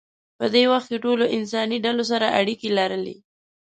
په دې وخت کې ټولو انساني ډلو سره اړیکې لرلې.